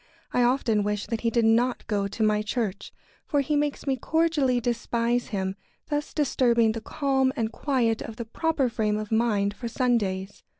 I often wish that he did not go to my church, for he makes me cordially despise him, thus disturbing the calm and quiet of the proper frame of mind for Sundays.